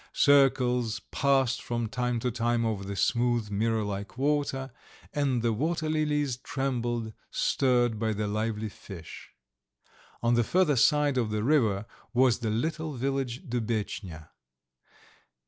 Circles passed from time to time over the smooth, mirror like water, and the water lilies trembled, stirred by the lively fish. On the further side of the river was the little village Dubetchnya.